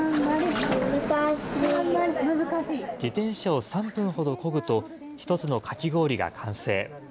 自転車を３分ほどこぐと、１つのかき氷が完成。